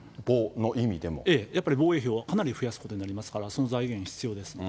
やっぱり防衛費をかなり増やすことになりますから、その財源が必要です。